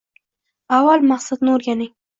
Avval maqsadni o‘rganing.